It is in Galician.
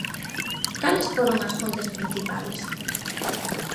Cales foron as fontes principais?